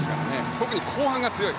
特に後半が強い。